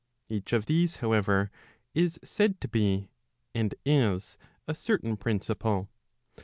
Each of these, however, is said to be, and is, a certain principle.